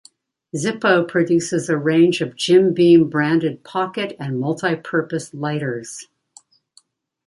Zippo produces a range of Jim Beam branded pocket and multi-purpose lighters.